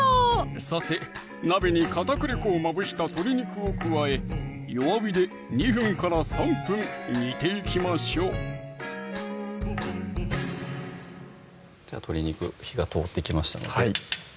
さて鍋に片栗粉をまぶした鶏肉を加え弱火で２分３分煮ていきましょう鶏肉火が通ってきましたのではい